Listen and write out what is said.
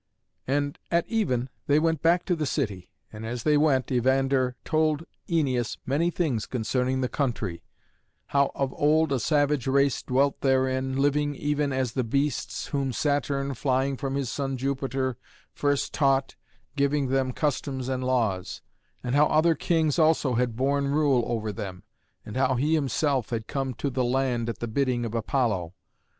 And at even they went back to the city, and as they went Evander told Æneas many things concerning the country: how of old a savage race dwelt therein, living even as the beasts, whom Saturn, flying from his son Jupiter, first taught, giving them customs and laws; and how other kings also had borne rule over them, and how he himself had come to the land at the bidding of Apollo.